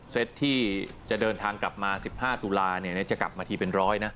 เซตที่จะเดินทางกลับมา๑๕ตุลาจะกลับมาทีเป็นร้อยนะ